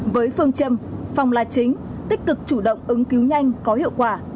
với phương châm phòng là chính tích cực chủ động ứng cứu nhanh có hiệu quả